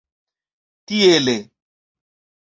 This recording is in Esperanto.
Tiele.